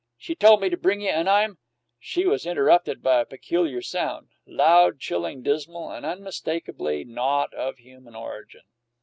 She tole me to bring ye, and I'm " She was interrupted by a peculiar sound loud, chilling, dismal, and unmistakably not of human origin.